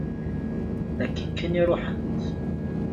Akken kan i ruḥent.